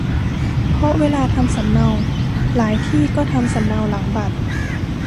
เพราะเวลาทำสำเนา หลายที่ก็ทำสำเนาหลังบัตร